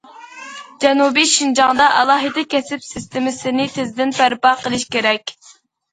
جەنۇبىي شىنجاڭدا ئالاھىدە كەسىپ سىستېمىسىنى تېزدىن بەرپا قىلىش كېرەك.